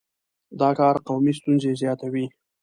دا کار قومي ستونزې زیاتوي.